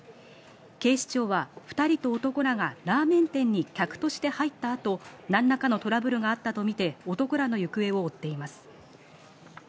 警視庁は２人と男らがラーメン店に客として入ったあと何らかのトラブルがあったとみて男らの行方を追っています。